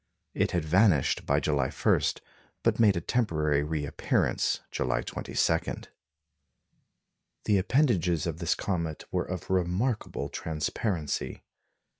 It had vanished by July 1, but made a temporary reappearance July 22. The appendages of this comet were of remarkable transparency.